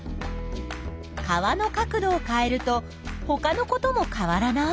川の角度を変えるとほかのことも変わらない？